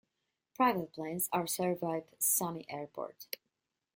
Private planes are served by Sumy Airport.